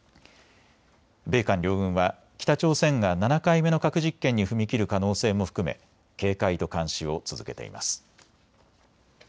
米韓両軍は北朝鮮が７回目の核実験に踏み切る可能性も含め警戒と監視を続けています。